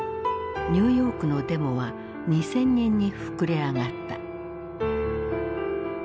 ニューヨークのデモは２，０００人に膨れあがった。